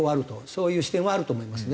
そういう視点はあると思いますね。